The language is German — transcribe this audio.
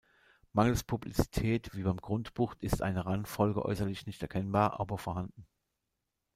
Mangels Publizität wie beim Grundbuch ist eine Rangfolge äußerlich nicht erkennbar, aber vorhanden.